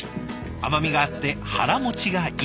甘みがあって腹もちがいい。